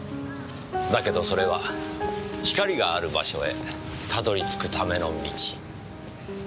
「だけどそれは光がある場所へたどり着くための道」。